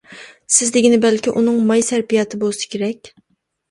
سىز دېگىنى بەلكى ئۇنىڭ ماي سەرپىياتى بولسا كېرەك.